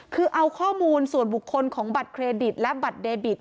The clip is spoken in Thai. คือเอาข้อมูลส่วนบุคคลของบัตรเครดิตและบัตรเดบิต